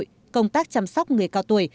công tác chăm sóc người cao tuổi